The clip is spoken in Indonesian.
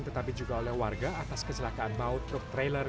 tetapi juga oleh warga atas kecelakaan maut truk trailer